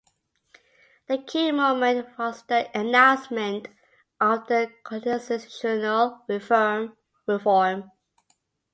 The key moment was the announcement of the constitutional reform.